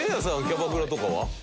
キャバクラとかは？